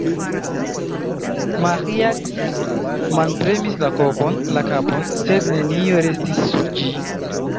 Maĥiac manpremis la kapon, sed nenio restis sur ĝi.